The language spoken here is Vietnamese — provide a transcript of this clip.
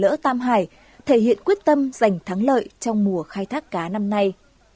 cửa lỡ tam hải thể hiện quyết tâm giành thắng lợi trong mùa khai thác cá năm nay